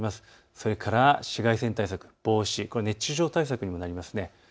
それから紫外線対策、帽子、熱中症対策にもなります。